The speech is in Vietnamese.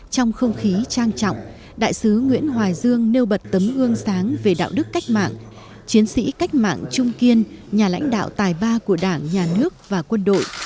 trong không khí trang trọng đại sứ nguyễn hoài dương nêu bật tấm gương sáng về đạo đức cách mạng chiến sĩ cách mạng trung kiên nhà lãnh đạo tài ba của đảng nhà nước và quân đội